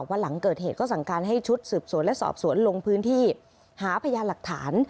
วันหลังเกิดเหตุก็สั่งการให้ชุดสืบสวนและสอบสวนลงพื้นที่หาพยานหลักฐาน